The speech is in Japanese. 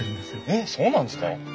えっそうなんですか？